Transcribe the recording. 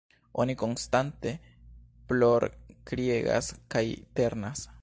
Oni konstante plorkriegas kaj ternas.